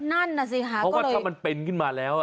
เพราะว่าถ้ามันเป็นขึ้นมาแล้ว